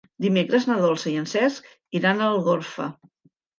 Dimecres na Dolça i en Cesc iran a Algorfa.